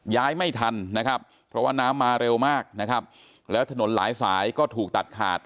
ย้ายไม่ทันนะครับเพราะว่าน้ำมาเร็วมากนะครับแล้วถนนหลายสายก็ถูกตัดขาด